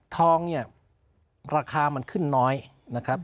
ทองราคามันขึ้นน้อยนะครับ